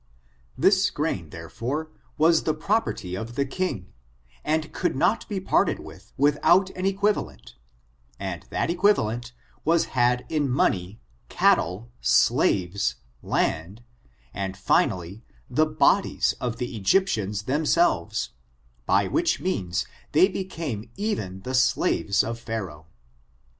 This grain, therefore, was the property of the king, and it could not be parted with without an equiva lent, and that equivalent was had in manejfy cattle^ slaves^ land^ and finally the hodies of the Egyptians themselves, by which means they fcecame even the slaves of Pharaoh.